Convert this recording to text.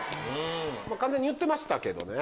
完全に言ってましたけどね。